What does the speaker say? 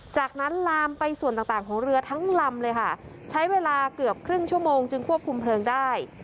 จากนั้นลามไปส่วนต่างต่างของเรือทั้งลำเลยค่ะใช้เวลาเกือบครึ่งชั่วโมงจึงควบคุมเพลิงได้